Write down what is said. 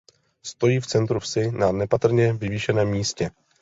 Stojí v centru vsi na nepatrně vyvýšeném místě.